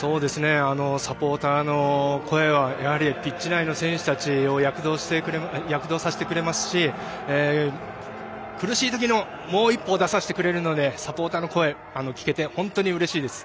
サポーターの声はピッチ内の選手たちを躍動させてくれますし苦しい時のもう一歩を出させてくれるのでサポーターの声が聞けて本当にうれしいです。